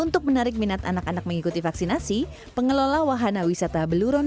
untuk menarik minat anak anak mengikuti vaksinasi pengelola wahana wisata beluron